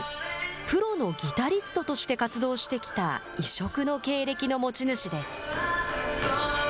プロのギタリストとして活動してきた異色の経歴の持ち主です。